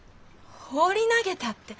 放り投げたって。